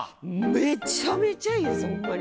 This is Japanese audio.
めちゃめちゃいいですホンマに。